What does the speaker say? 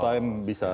juri time bisa